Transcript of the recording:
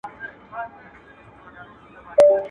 زه به درسمه په لپه منګی ورو ورو ډکومه.